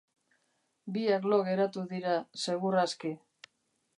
Biak lo geratu dira, segur aski.